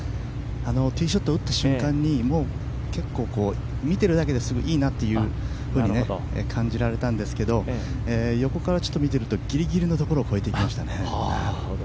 ティーショットを打った瞬間に結構、見てるだけでいいなと感じられたんですけれど横から見ているとギリギリのところを越えていきましたね。